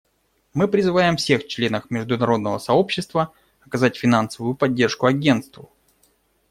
Мы призываем всех членов международного сообщества оказать финансовую поддержку Агентству.